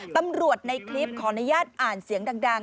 ในคลิปขออนุญาตอ่านเสียงดัง